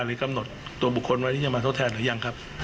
กำหนดตัวบุคคลไว้ที่จะมาทดแทนหรือยังครับ